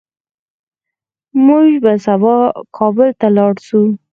موږ به سبا کابل ته لاړ شو